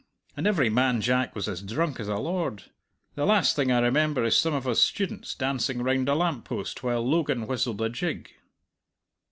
And every man jack was as drunk as a lord. The last thing I remember is some of us students dancing round a lamp post while Logan whistled a jig."